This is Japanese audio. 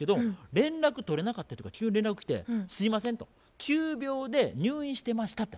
連絡取れなかった人から急に連絡来て「すいません」と「急病で入院してました」って。